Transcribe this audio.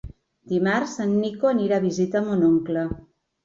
Dimarts en Nico anirà a visitar mon oncle.